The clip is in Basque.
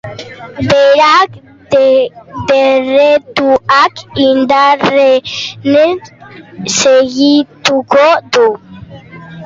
Beraz, dekretuak indarrean segituko du.